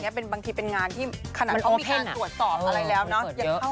ก็ขอให้เป็นตัวอย่างแหละค่ะ